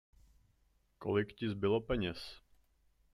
Kolik ti zbylo peněz?